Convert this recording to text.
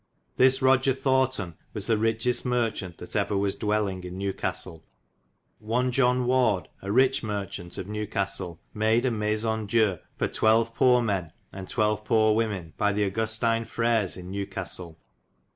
f This Roger Thorton was the richest marchaunt that ever was dwelling in Newcastelle. One John Warde a riche marchant of Newcastelle made a maisun dieu for xii. poore men and xii. poore women by the Augustine Freres in Newcastelle.